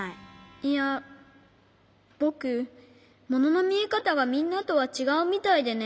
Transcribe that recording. いやぼくもののみえかたがみんなとはちがうみたいでね。